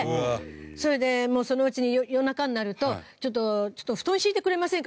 それでもうそのうちに夜中になると「布団敷いてくれませんか？」